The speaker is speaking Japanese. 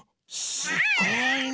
すごいね。